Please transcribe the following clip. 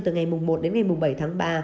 từ ngày một đến ngày bảy tháng ba